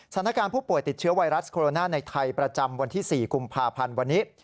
สถานการณ์ผู้ป่วยติดเชื้อไวรัสโคโรนาในไทยประจำวันที่๔กุมภาพันธ์วันนี้